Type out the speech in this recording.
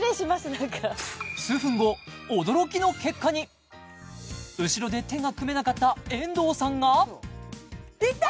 何か驚きの結果に後ろで手が組めなかった遠藤さんがいった！